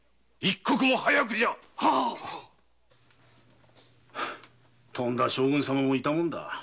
早くじゃとんだ将軍様もいたもんだ。